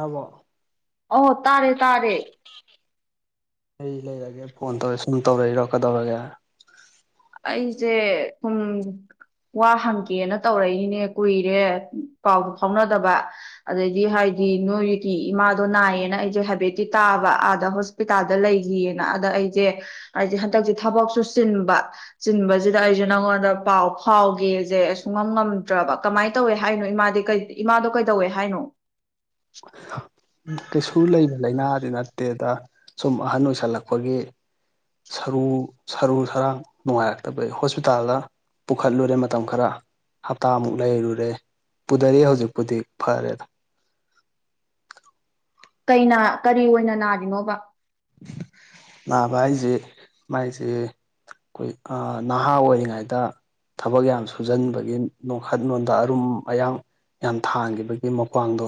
ꯑꯕ ꯑ ꯇꯥꯔꯦ ꯇꯥꯔꯦ ꯑꯩ ꯂꯩꯔꯒꯦ ꯐꯣꯟ ꯇꯧꯔꯦ ꯁꯨꯝ ꯇꯧꯔ ꯏꯔꯛꯀꯗꯧꯔꯒꯦ ꯑꯩꯁꯦ ꯊꯨꯝ ꯋꯥ ꯍꯪꯒꯦꯅ ꯇꯧꯔꯛꯏꯅꯦ ꯀꯨꯏꯔꯦ ꯄꯥꯎꯗ ꯐꯥꯎꯅꯗꯕ ꯑꯗꯩꯗꯤ ꯍꯥꯏꯗꯤ ꯅꯣꯏ ꯌꯨꯇꯤ ꯏꯃꯥꯗꯣ ꯅꯥꯏꯌꯦꯅ ꯑꯩꯁꯦ ꯍꯥꯏꯐꯦꯠꯇꯤ ꯇꯥꯕ ꯑꯥꯗ ꯍꯣꯁꯄꯤꯇꯥꯜꯗ ꯂꯩꯈꯤꯑꯅ ꯑꯗ ꯑꯩꯁꯦ ꯍꯥꯏꯁꯦ ꯍꯟꯗꯛꯁꯦ ꯊꯕꯛꯁꯨ ꯆꯤꯟꯕ ꯆꯤꯟꯕꯁꯤꯗ ꯑꯩꯁꯦ ꯅꯪꯉꯣꯟꯗ ꯄꯥꯎ ꯐꯥꯎꯒꯦꯁꯦ ꯁꯨꯡꯉꯝ ꯉꯝꯗ꯭ꯔꯕ ꯀꯃꯥꯏꯅ ꯇꯧꯋꯦ ꯍꯥꯏꯅꯣ ꯏꯃꯥꯗꯤ ꯏꯃꯥꯗꯣ ꯀꯩꯗꯧꯋꯦ ꯍꯥꯏꯅꯣ ꯀꯩꯁꯨ ꯂꯩꯕ ꯂꯥꯏꯅꯥꯗꯤ ꯅꯠꯇꯦꯗ ꯁꯨꯝ ꯑꯍꯟ ꯑꯣꯏꯁꯜꯂꯛꯄꯒꯤ ꯁꯔꯨ ꯁꯔꯨ ꯁꯔꯥꯡ ꯅꯨꯡꯉꯥꯏꯔꯛꯇꯕꯒꯤ ꯍꯣꯁꯄꯤꯇꯥꯜꯗ ꯄꯨꯈꯠꯂꯨꯔꯦ ꯃꯇꯝ ꯈꯔ ꯍꯞꯇꯥꯃꯨꯛ ꯂꯩꯔꯨꯔꯦ ꯄꯨꯊꯔ ꯍꯧꯖꯤꯛꯄꯨꯗꯤ ꯐꯔꯦꯗ ꯀ ꯀꯔꯤ ꯑꯣꯏꯅ ꯅꯥꯔꯤꯅꯣꯕ ꯅꯥꯕ ꯍꯥꯏꯁꯦ ꯃꯥꯏꯁꯤꯦ ꯑꯩꯈꯣꯏ ꯅꯍꯥ ꯑꯣꯏꯔꯤꯉꯩꯗ ꯊꯕꯛ ꯌꯥꯝ ꯁꯨꯖꯟꯕꯒꯤ ꯅꯈꯠꯂꯣꯟꯣꯟꯗ ꯑꯔꯨꯝ ꯑꯌꯥꯡ ꯌꯥꯝ ꯊꯥꯡꯈꯤꯕꯒꯤ ꯃ꯭ꯋꯥꯡꯗꯣ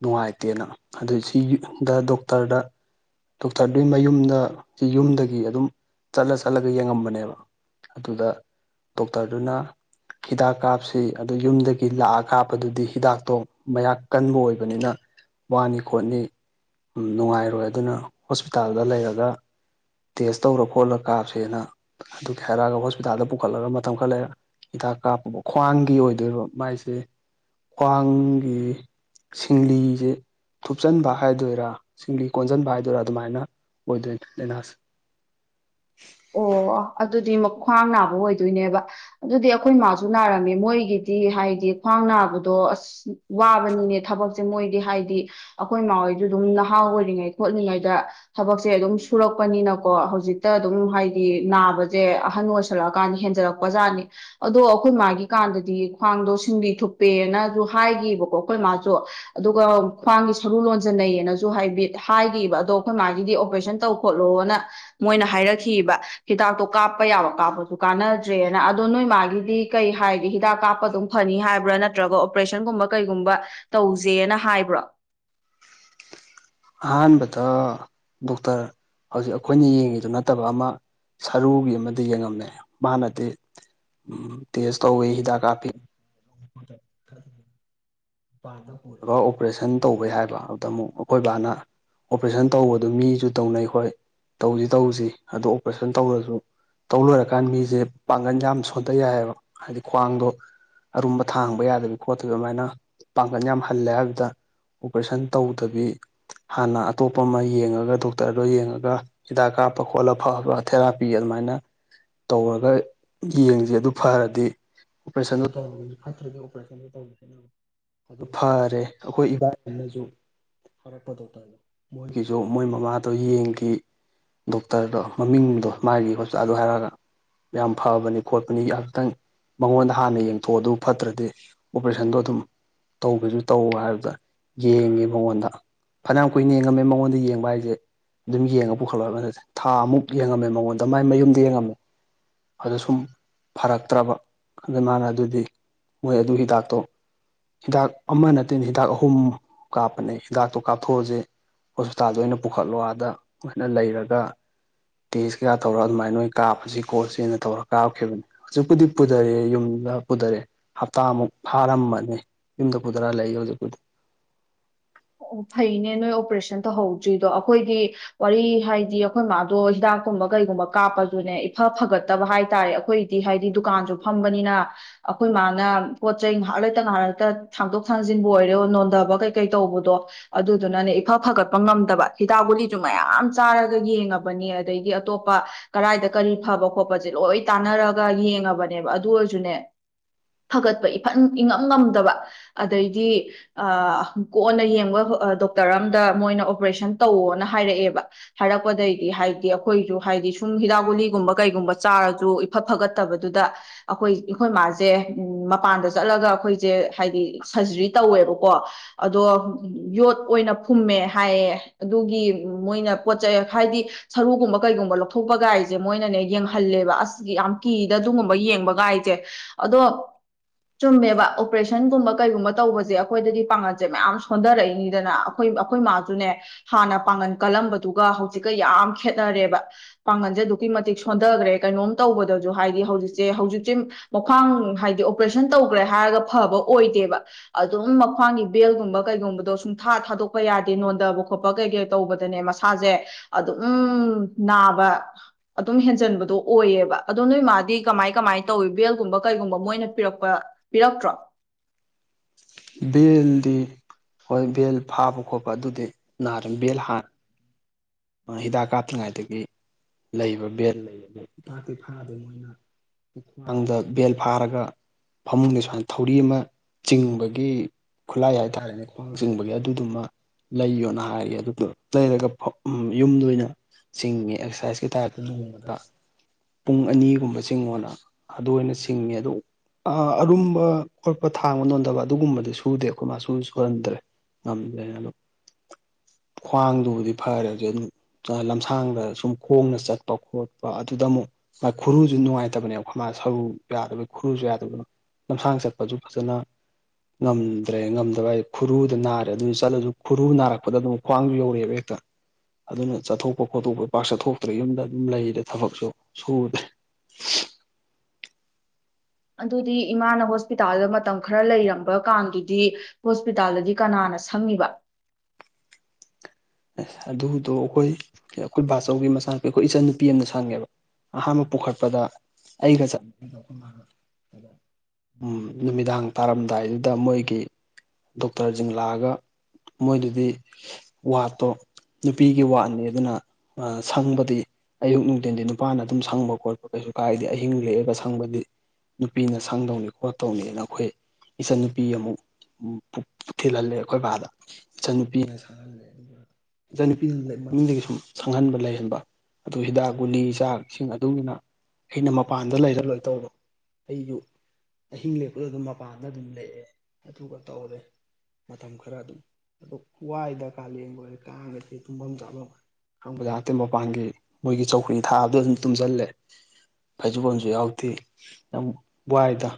ꯅꯨꯡꯉꯥꯏꯇꯦꯅ ꯑꯗꯨ ꯁꯤꯗ ꯗꯣꯛꯇꯔꯗ ꯗꯣꯛꯇꯔꯗꯨꯒꯤ ꯃꯌꯨꯝꯗ ꯌꯨꯝꯗꯒꯤ ꯑꯗꯨꯝ ꯆꯠꯂ ꯆꯠꯂꯒ ꯌꯦꯡꯉꯝꯕꯅꯦꯕ ꯑꯗꯨꯗ ꯗꯣꯛꯇꯔꯗꯨꯅ ꯍꯤꯗꯥꯛ ꯀꯥꯞꯁꯤ ꯑꯗꯨ ꯌꯨꯝꯗꯒꯤ ꯂꯥꯛꯑ ꯀꯥꯞꯄꯗꯨꯗꯤ ꯍꯤꯗꯥꯛꯇꯣ ꯃꯌꯥꯛ ꯀꯟꯕ ꯑꯣꯏꯕꯅꯤꯅ ꯋꯥꯅꯤ ꯈꯣꯠꯅꯤ ꯅꯨꯡꯉꯥꯏꯔꯣꯏ ꯑꯗꯨꯅ ꯍꯣꯁꯄꯤꯇꯥꯜꯗ ꯂꯩꯔꯒ ꯇꯦꯁ ꯇꯧꯔ ꯈꯣꯠꯂ ꯀꯥꯞꯁꯦꯅ ꯑꯗꯨꯒꯤ ꯍꯥꯏꯔꯛꯑꯒ ꯍꯣꯁꯄꯤꯇꯥꯜꯗ ꯄꯨꯈꯠꯂꯒ ꯃꯇꯝ ꯈꯔ ꯂꯩꯔ ꯍꯤꯗꯥꯛ ꯀꯥꯞꯄ ꯈ꯭ꯋꯥꯡꯒꯤ ꯑꯣꯏꯗꯣꯏꯕ ꯃꯥꯏꯁꯦ ꯈ꯭ꯋꯥꯡꯒꯤ ꯁꯤꯡꯂꯤꯁꯦ ꯊꯨꯞꯆꯟꯕ ꯍꯥꯏꯗꯣꯏꯔꯥ ꯁꯤꯡꯂꯤ ꯀꯣꯟꯁꯤꯟꯕ ꯍꯥꯏꯗꯣꯏꯔꯥ ꯑꯗꯨꯃꯥꯏꯅ ꯑꯣꯏꯗꯅꯥꯁ ꯑꯣ ꯑꯗꯨꯗꯤ ꯈ꯭ꯋꯥꯡ ꯅꯥꯕ ꯑꯣꯏꯗꯣꯏꯅꯦꯕ ꯑꯗꯨꯗꯤ ꯑꯩꯈꯣꯏ ꯏꯃꯥꯁꯨ ꯅꯥꯔꯝꯃꯦ ꯃꯣꯏꯒꯤꯗꯤ ꯍꯥꯏꯗꯤ ꯈ꯭ꯋꯥꯡ ꯅꯥꯕꯗꯣ ꯑꯁ ꯋꯥꯕꯅꯤꯅꯦ ꯊꯕꯛꯁꯦ ꯃꯣꯏꯗꯤ ꯍꯥꯏꯗꯤ ꯑꯩꯈꯣꯏ ꯏꯃꯥ ꯍꯣꯏꯗꯨ ꯑꯗꯨꯝ ꯅꯍꯥ ꯑꯣꯏꯔꯤꯉꯩ ꯈꯣꯠꯂꯤꯉꯩꯗ ꯊꯕꯛꯁꯦ ꯑꯗꯨꯝ ꯁꯨꯔꯛꯄꯅꯤꯅꯀꯣ ꯍꯧꯖꯤꯛꯇ ꯑꯗꯨꯝ ꯍꯥꯏꯗꯤ ꯅꯥꯕꯁꯦ ꯑꯍꯟ ꯑꯣꯏꯁꯜꯂꯛꯑꯀꯥꯟꯗ ꯍꯦꯟꯖꯜꯂꯛꯄ ꯖꯥꯠꯅꯤ ꯑꯗꯣ ꯑꯩꯈꯣꯏ ꯃꯥꯒꯤ ꯀꯥꯟꯗꯗꯤ ꯈ꯭ꯋꯥꯡꯗꯣ ꯁꯤꯡꯕꯤ ꯊꯨꯞꯄꯦꯅꯁꯨ ꯍꯥꯏꯕꯀꯣ ꯑꯩꯈꯣꯏ ꯃꯥꯁꯨ ꯑꯗꯨꯒ ꯈ꯭ꯋꯥꯡꯒꯤ ꯁꯔꯨ ꯂꯣꯟꯖꯟꯅꯩꯌꯦꯅꯁꯨ ꯍꯥꯏꯕ ꯍꯥꯏꯈꯤꯕ ꯑꯗꯣ ꯑꯩꯈꯣꯏ ꯃꯥꯒꯤꯗꯤ ꯑꯣꯄꯔꯦꯁꯟ ꯇꯧ ꯈꯣꯠꯂꯣꯅ ꯃꯣꯏꯅ ꯍꯥꯏꯔ ꯊꯤꯈꯤꯕ ꯍꯤꯗꯥꯛꯇꯣ ꯀꯥꯞꯄ ꯌꯥꯕ ꯀꯥꯞꯄꯁꯨ ꯀꯥꯅꯗ꯭ꯔꯦꯅ ꯑꯗꯣ ꯅꯣꯏ ꯃꯥꯒꯤꯗꯤ ꯀꯩ ꯍꯥꯏꯒꯦ ꯍꯤꯗꯥꯛ ꯀꯥꯞꯄ ꯑꯗꯨꯝ ꯐꯅꯤ ꯍꯥꯏꯕ꯭ꯔꯥ ꯅꯠꯇ꯭ꯔꯒ ꯑꯣꯄꯔꯦꯁꯟꯒꯨꯝꯕ ꯀꯩꯒꯨꯝꯕ ꯇꯧꯁꯦꯅ ꯍꯥꯏꯕ꯭ꯔꯣ ꯑꯍꯥꯟꯕꯗ ꯗꯣꯛꯇꯔ ꯍꯧꯖꯤꯛ ꯑꯩꯈꯣꯏꯅ ꯌꯦꯡꯉꯤꯗꯨ ꯅꯠꯇꯕ ꯑꯃ ꯁꯔꯨꯒꯤ ꯑꯃꯗ ꯌꯦꯡꯉꯝꯃꯦ ꯃꯥꯅꯗꯤ ꯇꯦꯁ ꯇꯧꯋꯤ ꯍꯤꯗꯥꯛ ꯀꯥꯞꯄꯤ ꯏꯕꯥꯗ ꯄꯨꯔꯒ ꯑꯣꯄꯔꯦꯁꯟ ꯇꯧꯕ ꯍꯥꯏꯕ ꯑꯗꯨꯗ ꯑꯃꯨꯛ ꯑꯩꯈꯣꯏ ꯕꯥꯅ ꯑꯣꯄꯔꯦꯁꯟ ꯇꯧꯕꯗ ꯃꯤꯁꯨ ꯇꯧꯅꯩ ꯑꯩꯈꯣꯏ ꯇꯧꯁꯤ ꯇꯧꯁꯤ ꯑꯗꯨ ꯑꯣꯄꯔꯦꯁꯟ ꯇꯧꯔꯁꯨ ꯇꯧ ꯂꯣꯏꯔꯀꯥꯟ ꯃꯤꯁꯦ ꯄꯥꯡꯒꯜ ꯌꯥꯝ ꯁꯣꯟꯊꯩ ꯌꯥꯏꯑꯕ ꯍꯥꯏꯗꯤ ꯈ꯭ꯋꯥꯡꯗꯣ ꯑꯔꯨꯝꯕ ꯊꯥꯡꯕ ꯌꯥꯗꯕꯤ ꯈꯣꯠꯇꯕꯤ ꯑꯗꯨꯃꯥꯏꯅ ꯄꯥꯡꯒꯟ ꯌꯥꯝ ꯍꯜꯂꯦ ꯍꯥꯏꯕꯗ ꯑꯣꯄꯔꯦꯁꯟ ꯇꯧꯗꯕꯤ ꯍꯥꯟꯅ ꯑꯇꯣꯞꯄ ꯑꯃ ꯌꯦꯡꯉꯒ ꯗꯣꯛꯇꯔꯗꯣ ꯌꯦꯡꯉꯒ ꯍꯤꯗꯥꯛ ꯀꯥꯞꯄ ꯈꯣꯠꯂ ꯐꯕ ꯊꯦꯔꯥꯄꯤ ꯑꯗꯨꯃꯥꯏꯅ ꯇꯧꯔꯒ ꯌꯦꯡꯁꯦ ꯑꯗꯨ ꯐꯔꯗꯤ ꯑꯣꯄꯔꯦꯁꯟꯗ ꯇꯧ ꯐꯠꯇ꯭ꯔꯗꯤ ꯑꯣꯄꯔꯦꯁꯟꯗ ꯇꯧꯕ ꯑꯗꯨ ꯐꯔꯦ ꯑꯩꯈꯣꯏ ꯏꯕꯥ ꯏꯅꯁꯨ ꯐꯔꯛꯄ ꯗꯣꯛꯇꯔꯗꯣ ꯃꯣꯏꯒꯤꯁꯨ ꯃꯣꯏ ꯃꯃꯥꯗꯣ ꯌꯦꯡꯈꯤ ꯗꯣꯛꯇꯔꯗꯣ ꯃꯃꯤꯡꯗꯣ ꯃꯥꯒꯤ ꯍꯣꯁꯄꯤꯇꯥꯜꯗꯣ ꯍꯥꯏꯔꯒ ꯌꯥꯝ ꯐꯕꯅꯤ ꯈꯣꯠꯄꯅꯤ ꯉꯍꯥꯛꯇꯪ ꯃꯉꯣꯟꯗ ꯍꯥꯟꯅ ꯌꯦꯡꯊꯣꯛ ꯑꯗꯨ ꯐꯠꯇ꯭ꯔꯗꯤ ꯑꯣꯄꯔꯦꯁꯟꯗꯣ ꯑꯗꯨꯝ ꯇꯧꯕꯁꯨ ꯇꯧ ꯍꯥꯏꯕꯗ ꯌꯦꯡꯉꯦ ꯃꯉꯣꯟꯗ ꯐꯅꯌꯥꯝ ꯀꯨꯏꯅ ꯌꯦꯡꯉꯝꯃꯦ ꯃꯉꯣꯟꯗ ꯌꯦꯡꯕ ꯍꯥꯏꯁꯦ ꯑꯗꯨꯝ ꯌꯦꯡꯉ ꯄꯨꯈꯠꯂ ꯊꯥ ꯑꯃꯨꯛ ꯌꯦꯡꯉꯝꯃꯦ ꯃꯉꯣꯟꯗ ꯃꯥꯏ ꯃꯌꯨꯝꯗ ꯌꯦꯡꯉꯝꯃꯦ ꯑꯗꯨꯣ ꯁꯨꯝ ꯐꯔꯛꯇ꯭ꯔꯕ ꯑꯗꯨ ꯃꯥꯅ ꯑꯗꯨꯗꯤ ꯃꯣꯏ ꯑꯗꯨ ꯍꯤꯗꯥꯛꯇꯣ ꯍꯤꯗꯥꯛ ꯑꯃ ꯅꯠꯇꯦꯅ ꯍꯤꯗꯥꯛ ꯑꯍꯨꯝ ꯀꯥꯞꯄꯅꯦ ꯍꯤꯗꯥꯛꯇꯣ ꯀꯥꯞꯊꯣꯛꯑꯁꯦ ꯍꯣꯁꯄꯤꯇꯥꯜꯗ ꯑꯣꯏꯅ ꯄꯨꯈꯠꯂꯣꯗꯣꯏꯅ ꯂꯩꯔꯒ ꯇꯦꯁ ꯀꯌꯥ ꯇꯧꯔ ꯑꯗꯨꯃꯥꯏꯅ ꯀꯥꯞꯄꯁꯤ ꯀꯣꯔꯣꯁꯦꯅ ꯇꯧꯔ ꯀꯥꯞꯈꯤꯕꯅꯤ ꯍꯧꯖꯤꯛꯄꯨꯗꯤ ꯄꯨꯊꯔꯑꯦ ꯌꯨꯝꯗ ꯄꯨꯊꯔꯛꯑꯦ ꯍꯞꯇꯥꯃꯨꯛ ꯐꯥꯔꯝꯃꯅꯤ ꯏꯗ ꯀꯨꯗ꯭ꯔꯥ ꯂꯩ ꯌꯎꯖꯦ ꯀꯨꯗ ꯑꯣ ꯐꯩꯅꯦ ꯅꯣꯏ ꯑꯣꯄꯔꯦꯁꯟ ꯇꯧꯍꯧꯗ꯭ꯔꯤꯗꯣ ꯑꯩꯈꯣꯏꯗꯤ ꯋꯥꯔꯤ ꯍꯥꯏꯗꯤ ꯑꯩꯈꯣꯏ ꯃꯥꯗꯣ ꯍꯤꯗꯥꯛꯀꯨꯝꯕ ꯀꯩꯒꯨꯝꯕ ꯀꯥꯞꯄꯗꯨꯅꯦ ꯏꯐ ꯐꯒꯠꯇꯕ ꯍꯥꯏ ꯇꯥꯔꯦ ꯑꯩꯈꯣꯏꯗꯤ ꯍꯥꯏꯗꯤ ꯗꯨꯀꯥꯟꯁꯨ ꯐꯝꯕꯅꯤꯅ ꯑꯩꯈꯣꯏ ꯃꯥꯅ ꯄꯣꯠ ꯆꯩꯩ ꯉꯥꯏꯍꯥꯛ ꯂꯩꯇ ꯉꯥꯏꯍꯥꯛ ꯂꯩꯇ ꯊꯥꯡꯗꯣꯛ ꯊꯥꯡꯖꯤꯟꯕ ꯑꯣꯏꯔꯣ ꯅꯣꯟꯊꯕ ꯀꯩꯀꯩ ꯇꯧꯕꯗꯣ ꯣ ꯑꯗꯨꯗꯨꯅꯅꯦ ꯏꯐ ꯐꯒꯠꯄ ꯉꯝꯗꯕ ꯍꯤꯗ ꯒꯨꯂꯤꯁꯨ ꯃꯌꯥꯝ ꯆꯥꯔꯒ ꯌꯦꯡꯉꯕꯅꯤ ꯑꯗꯩꯗꯤ ꯑꯇꯣꯞꯄ ꯀꯔꯥꯏꯗ ꯀꯔꯤ ꯐꯕ ꯈꯣꯠꯄꯁꯦ ꯂꯣꯏ ꯇꯥꯟꯅꯔꯒ ꯌꯦꯡꯉꯕꯅꯦꯕ ꯑꯗꯨ ꯑꯣꯏꯔꯁꯨꯅꯦ ꯐꯒꯠꯄ ꯏꯐꯟ ꯏꯉꯝ ꯉꯝꯗꯕ ꯑꯗꯩꯗꯤ ꯀꯣꯟꯅ ꯗꯣꯛꯇꯔ ꯑꯝꯗ ꯃꯣꯏꯅ ꯑꯣꯄꯔꯦꯁꯟ ꯇꯧꯋꯣꯅ ꯍꯥꯏꯔꯛꯑꯦꯕ ꯍꯥꯏꯔꯛꯄꯗꯩꯗꯤ ꯍꯥꯏꯗꯤ ꯑꯩꯈꯣꯏꯁꯨ ꯍꯥꯏꯗꯤ ꯁꯨꯝ ꯍꯤꯗꯥꯛ ꯒꯨꯂꯤꯒꯨꯝꯕ ꯀꯩꯒꯨꯝꯕ ꯆꯥꯔꯁꯨ ꯏꯐꯠ ꯐꯒꯠꯇꯕꯗꯨꯗ ꯑꯩꯈꯣꯏ ꯑꯩꯈꯣꯏ ꯃꯥꯁꯦ ꯃꯄꯥꯟꯗ ꯆꯠꯂꯒ ꯑꯩꯈꯣꯏꯁꯦ ꯍꯥꯏꯗꯤ ꯁꯔꯖꯔꯤ ꯇꯧꯋꯦꯕꯀꯣ ꯑꯗꯣ ꯎ ꯌꯣꯠ ꯑꯣꯏꯅ ꯐꯨꯝꯃꯦ ꯍꯥꯏꯌꯦ ꯑꯗꯨꯒꯤ ꯃꯣꯏꯅ ꯄꯣꯠ ꯆꯩꯩ ꯍꯥꯏꯗꯤ ꯁꯔꯨꯒꯨꯝꯕ ꯀꯩꯒꯨꯝꯕ ꯂꯧꯊꯣꯛꯄꯒꯥꯏꯁꯦ ꯃꯣꯏꯅꯅꯦ ꯌꯦꯡꯍꯜꯂꯦꯕ ꯑꯁ ꯌꯥꯝ ꯀꯤꯗ ꯑꯗꯨꯒꯨꯝꯕ ꯌꯦꯡꯕꯒꯥꯏꯁꯦ ꯑꯗꯣ ꯆꯨꯝꯃꯦꯕ ꯑꯣꯄꯔꯦꯁꯟꯒꯨꯝꯕ ꯀꯩꯒꯨꯝꯕ ꯇꯧꯕꯁꯦ ꯑꯩꯈꯣꯏꯗꯗꯤ ꯄꯥꯒꯜꯁꯦ ꯃꯌꯥꯝ ꯁꯣꯟꯊꯔꯛꯏꯅꯤꯗꯅ ꯑꯩꯈꯣꯏ ꯑꯩꯈꯣꯏ ꯃꯥꯁꯨꯅꯦ ꯍꯥꯟꯅ ꯄꯥꯡꯒꯜ ꯀꯜꯂꯝꯕꯗꯨꯒ ꯍꯧꯖꯤꯛꯀ ꯌꯥꯝ ꯈꯦꯠꯅꯔꯦꯕ ꯄꯥꯡꯒꯜꯁꯦ ꯑꯗꯨꯛꯀꯤ ꯃꯇꯤꯛ ꯁꯣꯟꯊꯈ꯭ꯔꯦ ꯀꯩꯅꯣꯝ ꯇꯧꯕꯗꯁꯨ ꯍꯥꯏꯗꯤ ꯍꯧꯖꯤꯛꯁꯦ ꯍꯧꯖꯤꯛꯁꯦ ꯃꯈ꯭ꯋꯥꯡ ꯍꯥꯏꯗꯤ ꯑꯣꯄꯔꯦꯁꯟ ꯇꯧꯈ꯭ꯔꯦ ꯍꯥꯏꯔꯒ ꯐꯕ ꯑꯣꯏꯗꯦꯕ ꯑꯗꯨꯝ ꯃꯈ꯭ꯋꯥꯡꯒꯤ ꯕꯦꯜꯒꯨꯝꯕ ꯀꯩꯒꯨꯝꯕꯗꯣ ꯁꯨꯡꯊꯥ ꯊꯥꯗꯣꯛꯄ ꯌꯥꯗꯦ ꯅꯣꯟꯊꯕ ꯈꯣꯠꯄ ꯀꯩ ꯀꯩ ꯇꯧꯕꯗꯅꯦ ꯃꯁꯥꯁꯦ ꯑꯗꯨꯝ ꯅꯥꯕ ꯑꯗꯨꯝ ꯍꯦꯟꯖꯟꯕꯗꯣ ꯑꯣꯏꯑꯕ ꯑꯗꯣ ꯅꯣꯏ ꯃꯥꯗꯤ ꯀꯃꯥꯏ ꯀꯃꯥꯏꯅ ꯇꯧꯋꯤ ꯕꯦꯜꯒꯨꯝꯕ ꯀꯩꯒꯨꯝꯕ ꯃꯣꯏꯅ ꯄꯤꯔꯛꯄ ꯄꯤꯔꯛꯇ꯭ꯔꯣ ꯕꯦꯜꯗꯤ ꯍꯣꯏ ꯕꯦꯜ ꯐꯥꯕ ꯈꯣꯠꯄ ꯑꯗꯨꯗꯤ ꯅꯥꯔꯦ ꯕꯦꯜ ꯍꯥꯟ ꯍꯤꯗꯥꯛ ꯀꯥꯞꯇ꯭ꯔꯤꯉꯥꯏꯗꯒꯤ ꯂꯩꯕ ꯕꯦꯜ ꯂꯩ ꯑ ꯍꯤꯗꯥꯛꯇꯤ ꯐꯥꯗ ꯃꯣꯏꯅ ꯈ꯭ꯋꯥꯡꯗ ꯕꯦꯜ ꯐꯥꯔꯒ ꯐꯃꯨꯡꯗꯤ ꯁꯨꯃꯥꯏꯅ ꯊꯧꯔꯤ ꯑꯃ ꯆꯤꯡꯕꯒꯤ ꯈꯨꯠꯂꯥꯏ ꯍꯥꯏꯇꯥꯥꯔꯦꯅꯦ ꯈ꯭ꯋꯥꯡ ꯆꯤꯡꯕꯒꯤ ꯑꯗꯨꯗꯨꯃ ꯂꯩꯌꯣꯅ ꯍꯥꯏꯔ ꯑꯗꯨꯗꯨ ꯂꯩꯔꯒ ꯎ ꯌꯨꯝꯗ ꯑꯣꯏꯅ ꯆꯤꯡꯉꯦ ꯑꯦꯛꯁꯔꯁꯥꯏꯁꯀꯤ ꯇꯥꯔ ꯅꯣꯡꯃꯗ ꯄꯨꯡ ꯑꯅꯤꯒꯨꯝꯕ ꯆꯤꯡꯉꯣꯅ ꯑꯗꯨ ꯑꯣꯏꯅ ꯆꯤꯡꯉꯦ ꯑꯗꯨ ꯑꯔꯨꯝꯕ ꯈꯣꯠꯄ ꯊꯥꯡꯕ ꯅꯣꯟꯗꯕ ꯑꯗꯨꯒꯨꯝꯕꯗꯤ ꯁꯨꯗꯦ ꯑꯩꯈꯣꯏ ꯃꯥꯁꯨ ꯁꯨꯍꯟꯗ꯭ꯔꯦ ꯉꯝꯗ꯭ꯔꯦꯅ ꯑꯗ ꯈ꯭ꯋꯥꯡꯗꯨꯕꯨꯗꯤ ꯐꯔꯦ ꯍꯧ ꯂꯝꯁꯥꯡꯗ ꯁꯨꯝ ꯈꯣꯡꯅ ꯆꯠꯄ ꯈꯣꯠꯄ ꯑꯗꯨꯗ ꯑꯃꯨꯛ ꯃꯥꯥꯏ ꯈꯨꯔꯨꯁꯨ ꯅꯨꯡꯉꯥꯏꯇꯕꯅꯦꯕ ꯃꯥ ꯁꯔꯨ ꯌꯥꯗꯕꯒꯤ ꯈꯨꯔꯨꯁꯨ ꯌꯥꯗꯕ ꯂꯝꯁꯥꯡ ꯆꯠꯄꯁꯨ ꯐꯖꯅ ꯉꯝꯗ꯭ꯔꯦ ꯉꯝꯗꯕ ꯈꯨꯔꯨꯗ ꯅꯥꯔꯦ ꯑꯗꯨꯗ ꯆꯠꯂꯁꯨ ꯈꯨꯔꯨ ꯅꯥꯔꯛꯄꯗ ꯑꯗꯨꯝ ꯈ꯭ꯋꯥꯡꯁꯨ ꯌꯧꯔꯛꯑꯦꯕ ꯍꯦꯛꯇ ꯑꯗꯨꯅ ꯆꯠꯊꯣꯛꯄ ꯈꯣꯠꯇꯣꯛꯄ ꯄꯥꯛ ꯆꯠꯊꯣꯛꯇ꯭ꯔꯦ ꯌꯨꯝꯗ ꯑꯗꯨꯝ ꯂꯩꯔꯦ ꯊꯕꯛꯁꯨ ꯁꯨꯗ꯭ꯔꯦ ꯑꯗꯨꯗꯤ ꯏꯃꯥꯅ ꯍꯣꯁꯄꯤꯇꯥꯜꯗ ꯃꯇꯝ ꯈꯔ ꯂꯩꯔꯝꯕ ꯀꯥꯟꯗꯨꯗꯤ ꯍꯣꯁꯄꯤꯇꯥꯜꯗꯗꯤ ꯀꯅꯥꯅ ꯁꯪꯉꯕ ꯑ ꯑꯗꯨꯗꯣ ꯑꯩꯈꯣꯏ ꯑꯩꯈꯣꯏ ꯕꯥꯆꯧꯒꯤ ꯃꯆꯥꯅꯄꯤ ꯑꯩꯈꯣꯏ ꯏꯆꯟꯅꯨꯄꯤ ꯑꯃꯅ ꯁꯪꯉꯦꯕ ꯑꯍꯥꯟꯕ ꯄꯨꯈꯠꯄꯗ ꯑꯩꯒ ꯆꯠꯉꯗ ꯅꯨꯃꯤꯗꯥꯡ ꯇꯥꯔꯝꯗꯥꯏꯗꯨꯗ ꯃꯣꯏꯒꯤ ꯗꯣꯛꯇꯔꯁꯤꯡ ꯂꯥꯛꯑꯒ ꯃꯣꯏꯗꯨꯗꯤ ꯋꯥꯠꯇꯣ ꯅꯨꯄꯤꯒꯤ ꯋꯥꯠꯅꯤ ꯑꯗꯨꯅ ꯁꯪꯕꯗꯤ ꯑꯌꯨꯛ ꯅꯨꯡꯊꯤꯟꯗꯤ ꯅꯨꯄꯥꯅ ꯑꯗꯨꯝ ꯁꯪꯕ ꯈꯣꯠꯄ ꯀꯩꯁꯨ ꯀꯥꯏꯗꯤ ꯑꯍꯤꯡ ꯂꯦꯛꯑꯒ ꯁꯪꯕꯗꯤ ꯅꯨꯄꯤꯅ ꯁꯪꯗꯧꯅꯤ ꯈꯣꯠꯇꯧꯅꯤꯅ ꯑꯩꯈꯣꯏ ꯏꯆꯟꯅꯨꯄꯤ ꯑꯃꯨꯛ ꯊꯤꯜꯍꯜꯂꯦ ꯑꯩꯈꯣꯏ ꯕꯥꯥꯗ ꯏꯆꯟꯅꯨꯄꯤꯅ ꯁꯪꯍꯜꯂꯦ ꯑꯗꯨꯒ ꯏꯆꯟꯅꯨꯄꯤ ꯃꯃꯤꯡꯗꯒꯤ ꯁꯨꯝ ꯁꯪꯍꯟꯕ ꯂꯩꯍꯟꯕ ꯑꯗꯨ ꯍꯤꯗꯥꯛ ꯒꯨꯂꯤ ꯆꯥꯛꯁꯤꯡ ꯑꯗꯨꯅ ꯑꯩꯅ ꯃꯄꯥꯟꯗ ꯂꯩꯔ ꯂꯣꯏ ꯇꯧꯕ ꯑꯩꯁꯨ ꯑꯍꯤꯡ ꯂꯦꯛꯄꯗ ꯑꯗꯨꯝ ꯃꯄꯥꯟꯗ ꯑꯗꯨꯝ ꯂꯦꯛꯑꯦ ꯑꯗꯨꯒ ꯇꯧꯔꯦ ꯃꯇꯝ ꯈꯔ ꯑꯗꯨꯝ ꯑ ꯈꯋꯥꯏꯗ ꯀꯥꯂꯦꯟ ꯑꯣꯏꯔ ꯀꯥ ꯇꯨꯝꯐꯝ ꯆꯥꯐꯝ ꯈꯥꯡꯕꯗ ꯍꯇꯦ ꯃꯄꯥꯟꯒꯤ ꯃꯣꯏꯒꯤ ꯆꯧꯈ꯭ꯔꯤ ꯊꯥꯕꯗ ꯑꯗꯨꯝ ꯇꯨꯝꯁꯤꯜꯂꯦ ꯐꯩꯖꯕꯣꯜꯁꯨ ꯌꯥꯎꯗꯦ ꯌꯥꯝ ꯋꯥꯏꯗ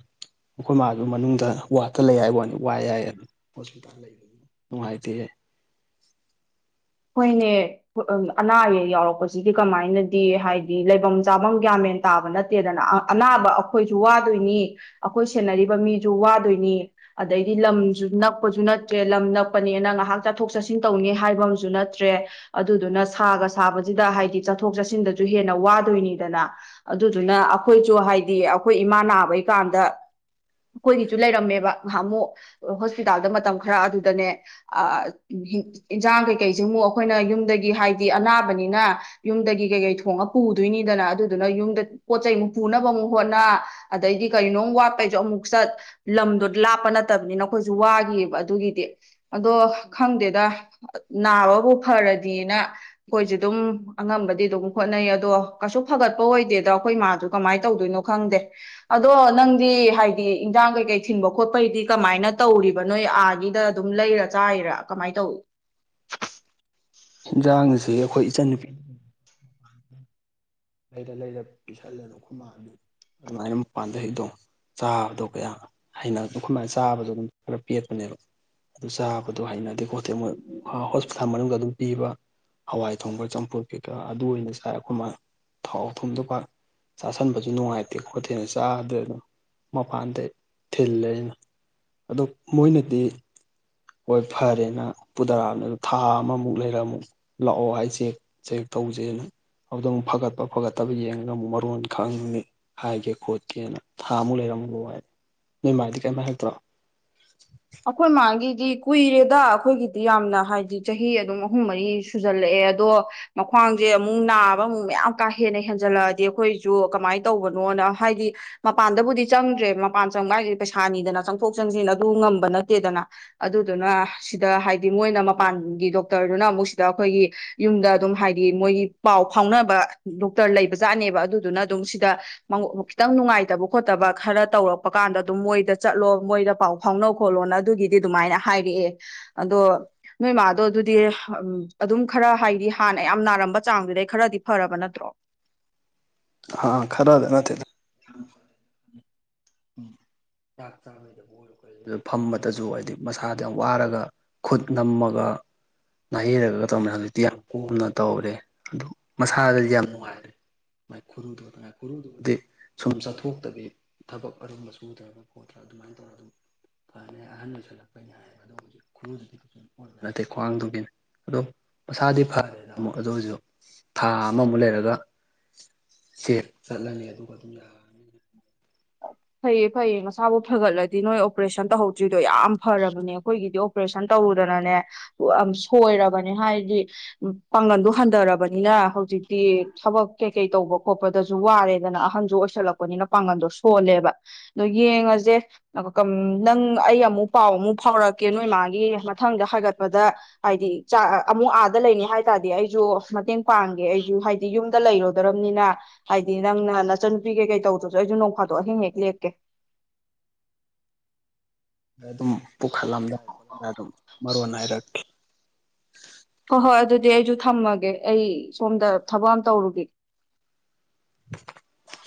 ꯑꯩꯈꯣꯏ ꯃꯥꯗꯨ ꯃꯅꯨꯡꯗ ꯋꯥꯠꯇ ꯂꯩ ꯍꯥꯏꯏ ꯋꯥꯅꯤ ꯋꯥꯏ ꯌꯥꯏ ꯑꯗꯨ ꯍꯣꯁꯄꯤꯇꯥꯜ ꯂꯩꯕ ꯅꯨꯡꯉꯥꯏꯇꯦ ꯍꯣꯏꯅꯦ ꯑꯅꯥ ꯑꯌꯦꯛ ꯌꯥꯎꯔꯛꯄꯁꯤꯗꯤ ꯀꯃꯥꯏꯅꯗꯤ ꯍꯥꯏꯗꯤ ꯂꯩꯐꯝ ꯆꯥꯐꯝ ꯒ꯭ꯌꯥꯃꯦꯟ ꯇꯥꯕ ꯅꯠꯇꯦꯗꯅ ꯑꯅꯥꯕ ꯑꯩꯈꯣꯏꯁꯨ ꯋꯥꯗꯣꯏꯅꯤ ꯑꯩꯈꯣꯏ ꯁꯦꯟꯅꯔꯤꯕ ꯃꯤꯁꯨ ꯋꯥꯗꯣꯏꯅꯤ ꯑꯗꯩꯗꯤ ꯂꯝꯁꯨ ꯅꯛꯄꯁꯨ ꯅꯠꯇ꯭ꯔꯦ ꯂꯝ ꯅꯛꯄꯅꯦꯅ ꯉꯥꯏꯍꯥꯛ ꯆꯠꯊꯣꯛ ꯆꯠꯁꯤꯟ ꯇꯧꯅꯤ ꯍꯥꯏꯕ ꯨ ꯅꯠꯇ꯭ꯔꯦ ꯑꯗꯨꯗꯨꯅ ꯁꯥꯒ ꯁꯥꯕꯁꯤꯗ ꯍꯥꯏꯗꯤ ꯆꯠꯊꯣꯛ ꯆꯠꯁꯤꯟꯗꯁꯨ ꯍꯦꯟꯅ ꯋꯥꯗꯣꯏꯅꯤꯗꯅ ꯑꯗꯨꯗꯨꯅ ꯑꯩꯈꯣꯏꯁꯨ ꯍꯥꯏꯗꯤ ꯑꯩꯈꯣꯏ ꯏꯃꯥ ꯅꯥꯕꯩꯀꯥꯟꯗ ꯑꯩꯈꯣꯏꯒꯤꯁꯨ ꯂꯩꯔꯝꯃꯦꯕ ꯉꯍꯥꯛ ꯑꯃꯨꯛ ꯍꯣꯁꯄꯤꯇꯥꯜꯗ ꯃꯇꯝ ꯈꯔ ꯑꯗꯨꯗꯅꯦ ꯏꯟꯁꯥꯡ ꯀꯩ ꯀꯩ ꯀꯩꯁ ꯑꯃꯨꯛ ꯑꯩꯈꯣꯏꯅ ꯌꯨꯝꯗꯒꯤ ꯍꯥꯏꯗꯤ ꯑꯅꯥꯕꯅꯤꯅ ꯌꯨꯝꯗꯒꯤ ꯀꯩꯀꯩ ꯊꯣꯡꯉ ꯄꯨꯗꯣꯏꯅꯤꯗꯅ ꯑꯗꯨꯗꯨꯅ ꯌꯨꯝꯗ ꯄꯣꯠ ꯆꯩꯩꯃꯨꯛ ꯄꯨꯅꯕ ꯑꯃꯨꯛ ꯍꯣꯠꯅ ꯑꯗꯩꯗꯤ ꯀꯅꯣ ꯋꯥꯠꯄꯩꯁꯨ ꯑꯃꯨꯛ ꯆꯠ ꯂꯝꯗꯣ ꯂꯥꯞꯄ ꯅꯠꯇꯕꯅꯤꯅ ꯑꯩꯈꯣꯏꯁꯨ ꯋꯥꯈꯤꯑꯕ ꯑꯗꯨꯒꯤꯗꯤ ꯑꯗꯣ ꯈꯪꯗꯦꯗ ꯅꯥꯕꯕꯨ ꯐꯔꯗꯤꯅ ꯑꯩꯈꯣꯏꯁꯦ ꯑꯗꯨꯝ ꯑꯉꯝꯕꯗꯤ ꯑꯗꯨꯝ ꯈꯣꯠꯅꯩ ꯑꯗꯣ ꯀꯩꯁꯨ ꯐꯒꯠꯄ ꯑꯣꯏꯗꯦꯗ ꯑꯩꯈꯣꯏ ꯃꯥꯁꯨ ꯀꯃꯥꯏꯅ ꯇꯧꯗꯣꯏꯅꯣ ꯈꯪꯗꯦ ꯑꯗꯣ ꯅꯪꯗꯤ ꯍꯥꯏꯗꯤ ꯏꯟꯖꯥꯡ ꯀꯩꯀꯩ ꯊꯤꯟꯕ ꯈꯣꯠꯄꯩꯗꯤ ꯀꯃꯥꯏꯅ ꯇꯧꯔꯤꯕ ꯅꯣꯏ ꯑꯥꯒꯤꯗ ꯑꯗꯨꯝ ꯂꯩꯔ ꯆꯥꯏꯔꯥ ꯀꯃꯥꯏꯅ ꯇꯧ ꯌꯦꯟꯁꯥꯡ ꯑꯁꯤ ꯑꯩꯈꯣꯏ ꯏꯆꯟꯅꯨꯄꯤ ꯂꯩꯔ ꯂꯩꯔ ꯄꯤꯁꯜꯂꯗ ꯈꯨꯈꯣꯏꯃ ꯑꯗꯨꯃꯥꯏꯅ ꯃꯄꯥꯟꯗ ꯍꯗꯣ ꯆꯥꯕꯗꯣ ꯀꯌꯥꯩꯅ ꯆꯥꯕꯗ ꯑꯗꯨꯝ ꯈꯔ ꯄꯦꯠꯄꯅꯦꯕ ꯑꯗꯨ ꯆꯥꯕꯗꯣ ꯍꯩꯅꯗꯦ ꯈꯣꯠꯇꯦ ꯃꯣꯏ ꯍꯣꯁꯄꯤꯇꯥꯜ ꯃꯅꯨꯡꯗ ꯑꯗꯨꯝ ꯄꯤꯕ ꯍꯋꯥꯏ ꯊꯣꯡꯕ ꯆꯝꯐꯨꯠ ꯀꯩꯀꯥ ꯑꯗꯨ ꯑꯣꯏꯅ ꯆꯥꯔ ꯑꯩꯈꯣꯏꯃ ꯊꯥꯎ ꯊꯨꯝꯗꯨꯒ ꯆꯥꯁꯟꯕꯁꯨ ꯅꯨꯡꯉꯥꯏꯇꯦ ꯈꯣꯠꯇꯦꯜꯅ ꯆꯥꯗꯅ ꯃꯄꯥꯟꯗ ꯊꯤꯜꯂꯅꯤꯅ ꯑꯗꯨꯣ ꯃꯣꯏꯅꯗꯤ ꯍꯣꯏ ꯐꯔꯦꯅ ꯄꯨꯊꯔꯛꯑꯕꯅꯤ ꯊꯥ ꯑꯃꯃꯨꯛ ꯂꯩꯔꯃꯨ ꯂꯥꯛꯑꯣ ꯍꯥꯏꯁꯦ ꯆꯦꯛ ꯇꯧꯁꯦꯅ ꯑꯗꯨꯗ ꯑꯃꯨꯛ ꯐꯒꯠꯄ ꯐꯒꯠꯇꯕ ꯌꯦꯡꯉꯒ ꯑꯃꯨꯛ ꯃꯔꯣꯟ ꯈꯪꯉꯅꯤ ꯍꯥꯏꯒꯦ ꯈꯣꯠꯀꯦꯅ ꯊꯥ ꯑꯃꯨꯛ ꯂꯩꯔ ꯂꯛꯑꫭ ꯅꯣꯏ ꯃꯥꯗꯤ ꯀꯥꯌꯤꯝꯇ ꯍꯥꯏꯔꯛꯇ꯭ꯔꯣ ꯑꯩꯈꯣꯏ ꯃꯥꯒꯤ ꯗꯤ ꯀꯨꯏꯔꯦꯗ ꯑꯩꯈꯣꯏꯒꯤꯗꯤ ꯌꯥꯝꯅ ꯍꯥꯏꯕꯗꯤ ꯆꯍꯤ ꯑꯗꯨꯝ ꯑꯍꯨꯝ ꯃꯔꯤ ꯁꯨꯖꯜꯂꯛꯑꯦ ꯑꯗꯣ ꯃꯈ꯭ꯋꯥꯡꯁꯦ ꯑꯃꯨꯛ ꯅꯥꯕ ꯑꯃꯨꯛ ꯃꯌꯥꯝ ꯀꯥ ꯍꯦꯟꯅ ꯍꯦꯟꯖꯜꯂꯛꯑꯗꯤ ꯑꯩꯈꯣꯏꯁꯨ ꯀꯃꯥꯏꯅ ꯇꯧꯕꯅꯣꯅ ꯍꯥꯏꯗꯤ ꯃꯄꯥꯟꯗꯕꯨꯗꯤ ꯆꯪꯗ꯭ꯔꯦ ꯃꯄꯥꯟ ꯆꯪꯕ ꯍꯥꯏꯒꯗꯤ ꯄꯩꯁꯥꯅꯤꯗꯅ ꯆꯪꯊꯣꯛ ꯆꯪꯁꯤꯟ ꯑꯗꯨ ꯉꯝ ꯅꯠꯇꯦꯗꯅ ꯑꯗꯨꯗꯨꯅ ꯁꯤꯗ ꯍꯥꯏꯗꯤ ꯃꯣꯏꯅ ꯃꯄꯥꯟꯒꯤ ꯗꯣꯛꯇꯔꯗꯨꯅ ꯑꯃꯨꯛ ꯁꯤꯗ ꯑꯩꯈꯣꯏꯒꯤ ꯌꯨꯝꯗ ꯑꯗꯨꯝ ꯍꯥꯏꯗꯤ ꯃꯣꯏꯒꯤ ꯄꯥꯎ ꯐꯥꯎꯅꯕ ꯗꯣꯛꯇꯔ ꯂꯩꯕ ꯖꯥꯠꯅꯦꯕ ꯑꯗꯨꯗꯨꯅ ꯑꯗꯨꯝ ꯁꯤꯗ ꯈꯤꯇꯪ ꯅꯨꯡꯉꯥꯏꯇꯕ ꯈꯣꯠꯇꯕ ꯈꯔ ꯇꯧꯔꯛꯄ ꯀꯥꯟꯗ ꯑꯗꯨꯝ ꯃꯣꯏꯗ ꯆꯠꯂꯣ ꯃꯣꯏꯗ ꯄꯥꯎ ꯐꯥꯎꯅꯕ ꯈꫭꯠꯂꯣꯅ ꯑꯗꯨꯒꯤꯗꯤ ꯑꯗꯨꯃꯥꯏꯅ ꯍꯥꯏꯔꯛꯑꯦ ꯑꯗꯣ ꯅꯣꯏ ꯃꯥꯗꯣ ꯑꯗꯨꯗꯤ ꯎꯝ ꯑꯗꯨꯝ ꯈꯔ ꯍꯥꯏꯗꯤ ꯍꯥꯟꯅ ꯌꯥꯝ ꯅꯥꯔꯝꯕ ꯆꯥꯡꯗꯨꯗꯩ ꯈꯔꯗꯤ ꯐꯔꯕ ꯅꯠꯇ꯭ꯔꯣ ꯑꯥ ꯈꯔꯗ ꯅꯠꯇꯦ ꯗ ꯎ ꯆꯥꯛ ꯆꯥꯣꯏꯗꯕ ꯑꯣꯏ ꯐꯝꯕꯗꯁꯨ ꯍꯥꯏꯗꯤ ꯃꯁꯥꯗ ꯌꯥꯝ ꯋꯥꯔꯒ ꯈꯨꯠ ꯅꯝꯃꯒ ꯅꯥꯍꯩꯔꯒ ꯇꯧꯅꯤꯅ ꯍꯧꯖꯤꯛꯇꯤ ꯌꯥꯝ ꯀꯣꯝꯅ ꯇꯧꯔꯦ ꯑꯗꯨ ꯃꯁꯥꯗꯗꯤ ꯌꯥꯝ ꯅꯨꯡꯉꯥꯏꯔꯦꯥꯏ ꯈꯨꯔꯨꯗꯨꯉꯥꯏ ꯈꯨꯔꯨꯗꯨꯕꯨꯗꯤ ꯁꯨꯝ ꯆꯠꯊꯣꯛꯇꯕꯤ ꯊꯕꯛ ꯀꯔꯝꯕ ꯁꯨꯗ꯭ꯔꯥ ꯈꯣꯠꯇ꯭ꯔꯥ ꯑꯗꯨꯃꯥꯏꯅ ꯇꯧꯔꯒ ꯑꯗꯨꯝ ꯐꯅꯤ ꯑꯍꯟ ꯑꯣꯏ ꯁꯜꯂꯛꯄꯅꯤ ꯍꯥꯏ ꯑꯗꯣ ꯍꯧꯖꯤꯛ ꯈꯨꯔꯨꯗꯨꯗꯤꯕ ꯅꯠꯇꯦ ꯈ꯭ꯋꯥꯡꯗꯨꯒꯤꯅ ꯑꯗꯣ ꯃꯁꯥꯗꯤ ꯐꯔꯦꯗ ꯑꯃꯨꯛ ꯑꯗꯨ ꯑꯣꯏꯔꯁꯨ ꯊꯥ ꯑꯃꯃꯨꯛ ꯂꯩꯔꯒ ꯁꯦ ꯆꯠꯂꯅꯤ ꯑꯗꯨꯒ ꯑꯗꯨꯝ ꯌꯥꯔꯅꯤꯅ ꯐꯩꯌꯦ ꯐꯩꯌꯦ ꯃꯁꯥꯕꯨ ꯐꯒꯠꯂꯗꯤ ꯅꯣꯏ ꯑꯣꯄꯔꯦꯁꯟ ꯇꯧꯍꯧꯗ꯭ꯔꯤꯗꯣ ꯌꯥꯝ ꯐꯔꯕꯅꯦ ꯑꯩꯈꯣꯏꯒꯤꯗꯤ ꯑꯣꯄꯔꯦꯁꯟ ꯇꯧꯔꯨꯗꯅꯅꯦ ꯌꯥꯝ ꯁꯣꯏꯔꯕꯅꯦ ꯍꯥꯏꯗꯤ ꯄꯥꯡꯒꯜꯗꯣ ꯍꯟꯊꯔꯕꯅꯤꯅ ꯍꯧꯖꯤꯛꯇꯤ ꯊꯕꯛ ꯀꯩ ꯀꯩ ꯇꯧꯕ ꯈꯣꯠꯄꯗꯁꯨ ꯋꯥꯔꯦꯗꯅ ꯑꯍꯟꯁꯨ ꯑꯣꯏꯁꯜꯂꯛꯄꯅꯤꯅ ꯄꯥꯡꯒꯜꯗꯣ ꯁꯣꯜꯂꯦꯕ ꯅꯣꯏ ꯌꯦꯡꯉꯁꯦ ꯅꯪ ꯑꯩ ꯑꯃꯨꯛ ꯄꯥꯎ ꯑꯃꯨꯛ ꯐꯥꯎꯔꯛꯀꯦ ꯅꯣꯏ ꯏꯃꯥꯒꯤ ꯃꯊꯪꯗ ꯍꯥꯏꯒꯠꯄꯗ ꯍꯥꯏꯗꯤ ꯆ ꯑꯃꯨꯛ ꯑꯥꯗ ꯂꯩꯅꯤ ꯍꯥꯏ ꯇꯥꯔꯗꯤ ꯑꯩꯁꯨ ꯃꯇꯦꯡ ꯄꯥꯡꯒꯦ ꯑꯩꯁꯨ ꯍꯥꯏꯗꯤ ꯌꯨꯝꯗ ꯂꯩꯔꯣꯏꯗ꯭ꯔꯝꯅꯤꯅ ꯍꯥꯏꯗꯤ ꯅꯪꯅ ꯅꯆꯟꯅꯨꯄꯤ ꯀꯩꯀꯩ ꯇꯧꯗ꯭ꯔꯁꯨ ꯑꯩꯁꯨ ꯅꯣꯡꯐꯥꯗꯣꯛ ꯑꯍꯤꯡ ꯍꯦꯛ ꯂꯦꯞꯀꯦ ꯑꯗꯨꯝ ꯄꯨꯈꯠꯂꯝꯗꯥꯏ ꯈꯣꯠꯂꯝꯗꯥꯏ ꯑꯗꯨꯝ ꯃꯔꯣꯟ ꯍꯥꯏꯔꯛꯀꯦ ꯍꯣꯏ ꯍꯣꯏ ꯑꯗꯨꯗꯤ ꯑꯩꯁꯨ ꯊꯝꯃꯒꯦ ꯑꯩ ꯁꯣꯝꯗ ꯊꯕꯛ ꯑꯃ ꯇꯧꯔꯨꯒꯦ [unintelligible]